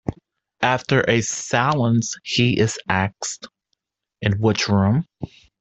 After a silence he is asked, "In which room?"